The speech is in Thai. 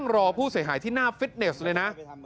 รอผู้เสียหายที่หน้าฟิตเนสเลยนะ